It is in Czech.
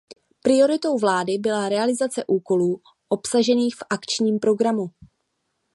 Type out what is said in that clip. Prioritou vlády byla realizace úkolů obsažených v Akčním programu.